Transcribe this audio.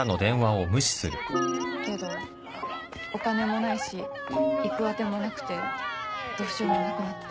けどお金もないし行く当てもなくてどうしようもなくなって。